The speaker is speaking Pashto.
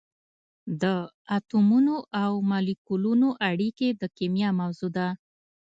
د اتمونو او مالیکولونو اړیکې د کېمیا موضوع ده.